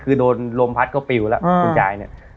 คือโดนลมพัดก็ปิวแล้วคุณยายเนี่ย